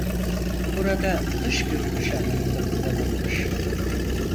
Burada "dış görünüş" anlamında kullanılmış.